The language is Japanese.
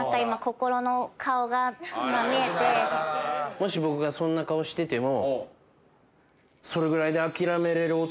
もし僕がそんな顔してても。